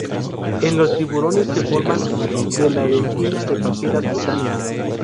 En los tiburones se forman de la dentina de papilas cutáneas.